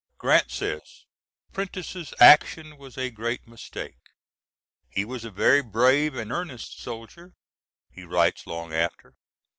Grant says Prentiss' action was a great mistake. "He was a very brave and earnest soldier," he writes long after.